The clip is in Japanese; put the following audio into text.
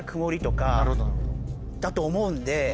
だと思うんで。